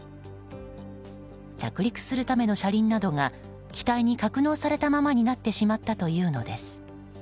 着陸するための車輪などが機体に格納されたままになってしまったというのです。